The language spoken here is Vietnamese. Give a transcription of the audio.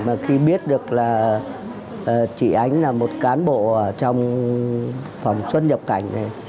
mà khi biết được là chị ánh là một cán bộ trong phòng xuất nhập cảnh